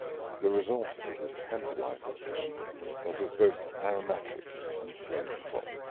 The result is a tantalizing dish that is both aromatic and flavorful.